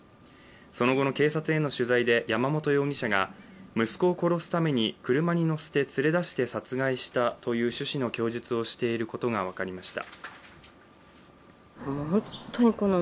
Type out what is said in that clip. その後の警察への取材で山本容疑者が息子を殺すために、車に乗せて連れ出したという趣旨の供述をしていることが分かりました。